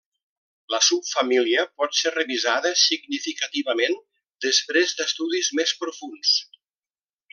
La subfamília pot ser revisada significativament després d'estudis més profunds.